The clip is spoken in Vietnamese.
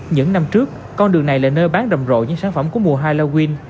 những năm trước con đường này là nơi bán rầm rộ những sản phẩm của mùa halloween